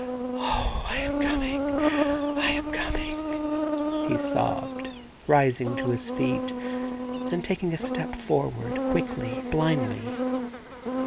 * Oh, I am coming — I am coming,' he sobbed, rising to his feet, and taking a step forward, quickly, blindly.